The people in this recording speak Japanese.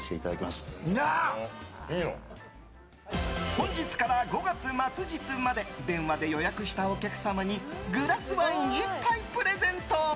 本日から５月末日まで電話で予約したお客様にグラスワイン１杯プレゼント！